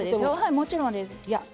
もちろんです。